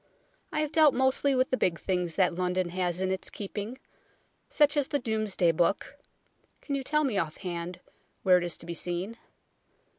I have dealt mostly with the big things that London has in its keeping, such as the Domesday Book (can you tell me off hand where it is to be seen